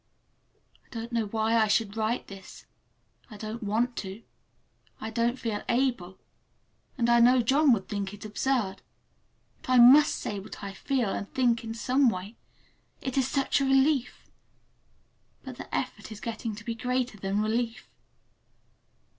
I don't know why I should write this. I don't want to. I don't feel able. And I know John would think it absurd. But I must say what I feel and think in some way—it is such a relief! But the effort is getting to be greater than the relief.